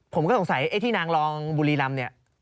ผมก็สงสัยไอ้ที่นางรองบุรีรำเนี่ย